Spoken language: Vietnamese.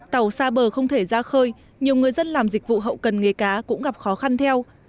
tàu xa bờ không thể ra khơi nhiều người dân làm dịch vụ hậu cần nghề cá cũng gặp khó khăn theo